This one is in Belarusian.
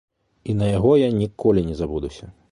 І на яго я ніколі не забудуся.